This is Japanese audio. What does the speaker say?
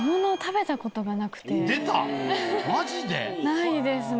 ないですね。